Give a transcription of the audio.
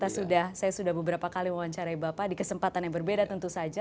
saya sudah beberapa kali mewawancarai bapak di kesempatan yang berbeda tentu saja